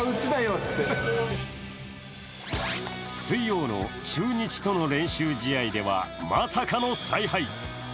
水曜の中日との練習試合では、まさかの采配。